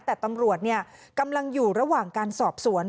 แต่ตำรวจกำลังอยู่ระหว่างการสอบสวน